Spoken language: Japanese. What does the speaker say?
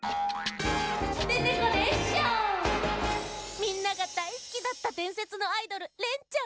みんながだいすきだったでんせつのアイドルレンちゃん。